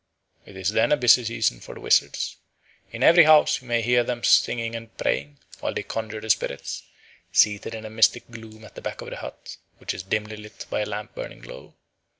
It is then a busy season for the wizards. In every house you may hear them singing and praying, while they conjure the spirits, seated in a mystic gloom at the back of the hut, which is dimly lit by a lamp burning low.